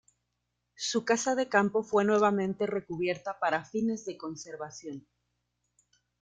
Su casa de campo fue nuevamente recubierta para fines de conservación.